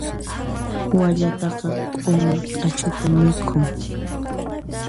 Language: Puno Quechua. Wallataqa q'umir q'achuta mikhun.